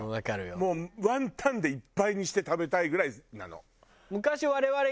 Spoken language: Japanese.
もうワンタンでいっぱいにして食べたいぐらいなの。